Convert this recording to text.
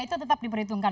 itu tetap diperhitungkan